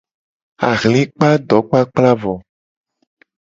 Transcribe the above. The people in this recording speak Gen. Ahli kpa dokplakpla vo.